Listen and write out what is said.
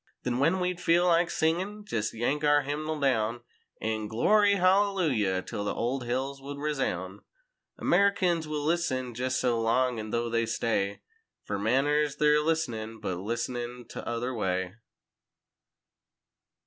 Then when we'd feel like singin' jest yank our hymnal down An' "Glory Hallelujah" 'till the old hills would resoun'— Americans will listen jest so long—an' though they stay Fer manners—they're listenin', but listenin' tother way.